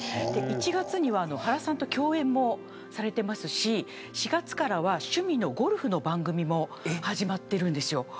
１月には原さんと共演もされていますし４月からは趣味のゴルフの番組も始まっているんです。